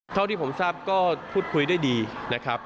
เท่าที่ผมทราบก็พูดคุยได้ดีนะครับ